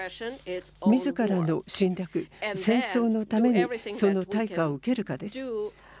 みずからの侵略戦争のためにその対価を受けるかです。